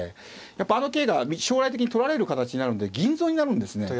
やっぱあの桂が将来的に取られる形になるんで銀損になるんですね。